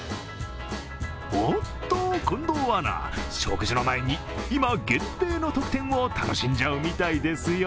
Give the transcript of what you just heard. おっと、近藤アナ、食事の前に、今限定の特典を楽しんじゃうみたいですよ。